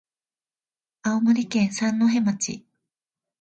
青森県三戸町